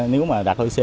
nếu mà đạt lợi c